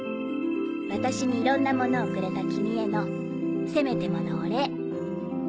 私にいろんなものをくれた君へのせめてものお礼。